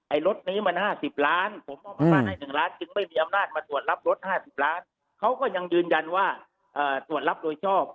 รถนี้มัน๕๐ล้านผมมอบอำนาจให้๑ล้านจึงไม่มีอำนาจมาตรวจรับรถ๕๐ล้านเขาก็ยังยืนยันว่าตรวจรับโดยชอบ